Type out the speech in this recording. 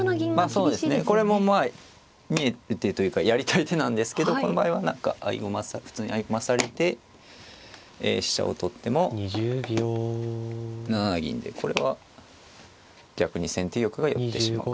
そうですねこれもまあ見える手というかやりたい手なんですけどこの場合は何か普通に合駒されて飛車を取っても７七銀でこれは逆に先手玉が寄ってしまう。